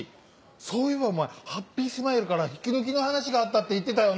そういえばお前ハッピースマイルから引き抜きの話があったって言ってたよな！